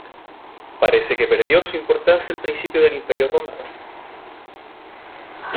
Parece que perdió su importancia al principio del Imperio romano.